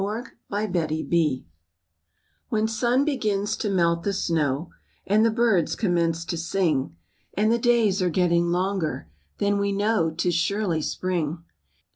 *SPRINGTIME* When sun begins to melt the snow And the birds commence to sing, And the days are getting longer, Then we know 'tis surely spring.